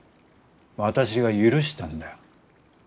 私が許したんだよ。